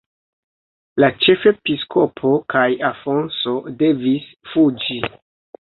La ĉefepiskopo kaj Afonso devis fuĝi.